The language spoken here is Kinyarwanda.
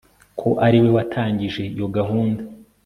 ko ariwe watangije iyo gahunda